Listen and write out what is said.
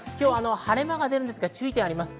晴れ間が出ますが注意点があります。